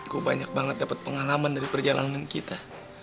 gua banyak banget dapet pengalaman dari perjalanan kita